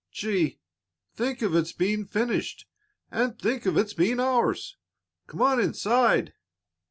"Gee! Think of its being finished, and think of its being ours! Come on inside."